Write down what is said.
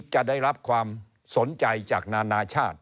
จะได้รับความสนใจจากนานาชาติ